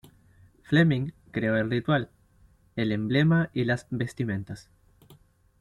Fleming creó el ritual, el emblema y las vestimentas.